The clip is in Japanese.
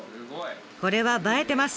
これは映えてます。